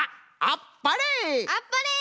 あっぱれ！